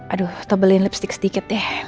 aduh tebelin lipstick sedikit deh